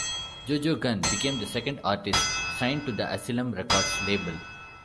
Jo Jo Gunne became the second artist signed to the Asylum Records label.